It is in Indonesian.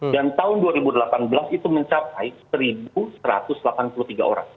tahun dua ribu delapan belas itu mencapai satu satu ratus delapan puluh tiga orang